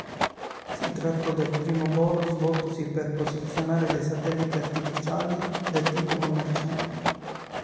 Si trattò del primo volo svoltosi per posizionare dei satelliti artificiali del tipo commerciale.